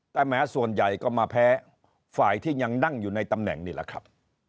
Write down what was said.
แต่แม้ส่วนใหญ่ก็มาแพ้ฝ่ายที่ยังนั่งอยู่ในตำแหน่งนี่แหละครับ